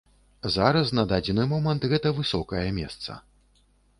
Зараз на дадзены момант гэта высокае месца.